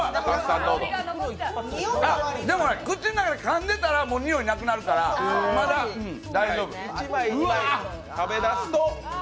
でも、口の中でかんでたら、においなくなるから、まだ大丈夫。